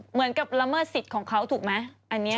เหมือนกับละเมิดสิทธิ์ของเขาถูกไหม